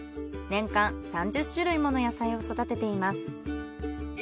年間３０種類もの野菜を育てています。